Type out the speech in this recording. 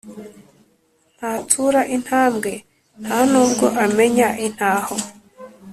Ntatsura intambwe, nta n’ubwo amenya intaho